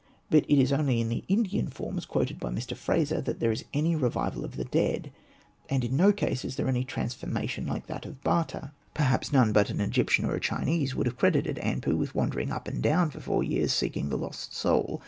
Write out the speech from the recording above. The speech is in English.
But it is only in the Indian forms quoted by Mr. Frazer that there is any revival of the dead ; and in no case is there any transfor mation like that of Bata. Perhaps none but Hosted by Google 8o ANPU AND BATA an Egyptian or a Chinese would have credited Anpu with wandering up and down for four years seeking the lost soul.